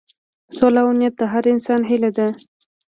سوله او امنیت د هر انسان هیله ده.